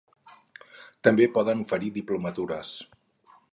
També poden oferir diplomatures.